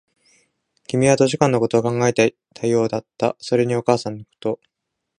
君は図書館のことを考えていたようだった、それにお母さんのこと